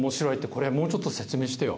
これもうちょっと説明してよ。